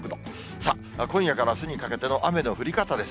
さあ、今夜からあすにかけての雨の降り方です。